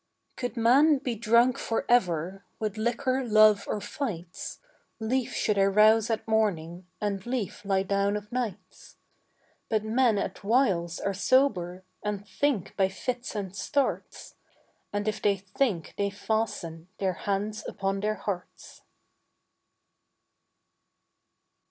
Could man be drunk for ever With liquor, love, or fights, Lief should I rouse at morning And lief lie down of nights. But men at whiles are sober And think by fits and starts, And if they think, they fasten Their hands upon their hearts.